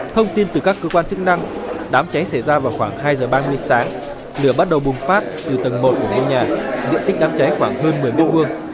thông tin từ các cơ quan chức năng đám cháy xảy ra vào khoảng hai giờ ba mươi sáng lửa bắt đầu bùng phát từ tầng một của ngôi nhà diện tích đám cháy khoảng hơn một mươi m hai